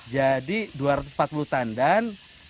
jadi dua ratus empat puluh tandan